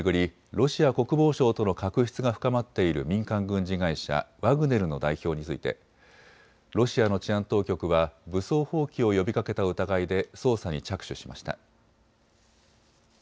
ロシア国防省との確執が深まっている民間軍事会社、ワグネルの代表についてロシアの治安当局は武装蜂起を呼びかけた疑いで捜査に着手しました。